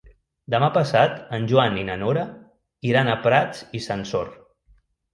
Demà passat en Joan i na Nora iran a Prats i Sansor.